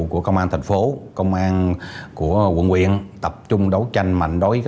của công an tp hcm